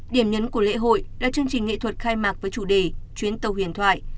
điểm nhấn của lễ hội là chương trình nghệ thuật khai mạc với chủ đề chuyến tàu huyền thoại